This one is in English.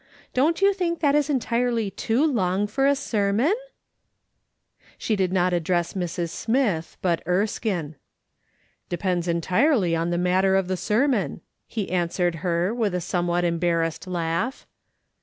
Don't you think that is entirely too long for a sermon ?" She did not address Mrs. Smith, but Erskine. " Depends entirely on the matter of the sermon," he answered her, with a somewhat embarrassed laugh.